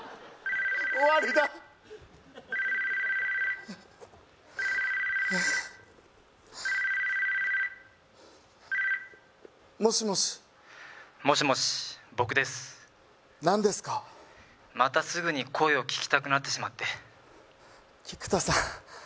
終わりだもしもし☎もしもし僕です何ですか☎またすぐに声を聞きたくなってしまって菊田さん